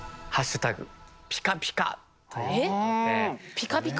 ピカピカ？